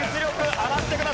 上がってください。